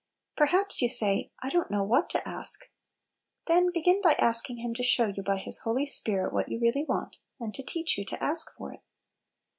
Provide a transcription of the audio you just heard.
Perhaps you say, "I don't know what to ask." Then begin by asking Him to show you by His Holy Spirit what you really want, and to teach you to ask for it.